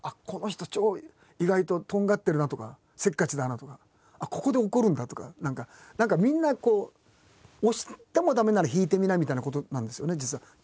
この人意外ととんがってるなとかせっかちだなとかここで怒るんだとか何かみんな押しても駄目なら引いてみなみたいなことなんですよね実は。